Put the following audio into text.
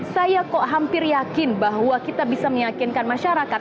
saya kok hampir yakin bahwa kita bisa meyakinkan masyarakat